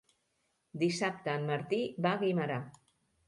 Dissabte en Martí va a Guimerà.